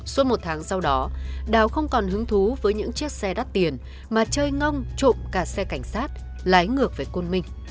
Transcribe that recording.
suốt một tháng sau đó đào không còn hứng thú với những chiếc xe đắt tiền mà chơi ngông trộm cả xe cảnh sát lái ngược với côn minh